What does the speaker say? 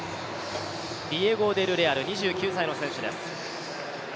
ディエゴ・デルレアル２９歳の選手です。